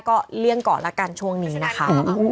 ก็เลี่ยงก่อนละกันช่วงนี้นะคะ